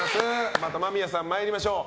また間宮さん、参りましょう。